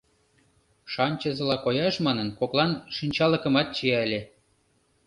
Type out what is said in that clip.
Шанчызыла кояш манын, коклан шинчалыкымат чия ыле.